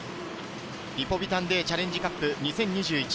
リポビタンＤチャレンジカップ２０２１。